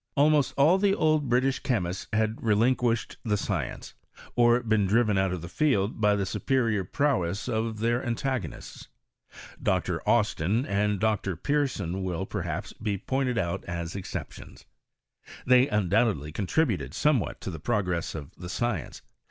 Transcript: Almost all the old British chemists had relinquished the science, or been driven out of the field by the superior prowess of their antagonists. Dr. Austin and Dr. Pearson will, perhaps, be pointed out as exceptions. They undoubtedly contributed somewhat to the I progress of the science.